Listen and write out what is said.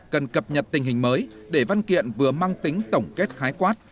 cần cập nhật tình hình mới để văn kiện vừa mang tính tổng kết khái quát